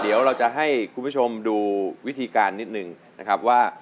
เดี๋ยวเราจะให้คุณผู้ชมดูวิธีการนิดนึงนะครับว่า